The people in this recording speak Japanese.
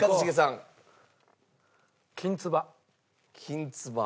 きんつば。